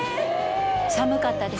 寒かったです。